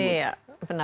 pad artinya apa